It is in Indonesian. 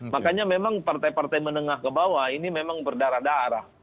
makanya memang partai partai menengah ke bawah ini memang berdarah darah